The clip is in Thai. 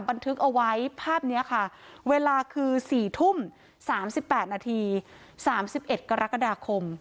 บันทึกเอาไว้ภาพเนี้ยค่ะเวลาคือสี่ทุ่มสามสิบแปดนาทีสามสิบเอ็ดกรกฎาคม